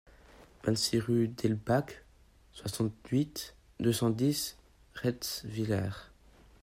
vingt-six rue d'Elbach, soixante-huit, deux cent dix, Retzwiller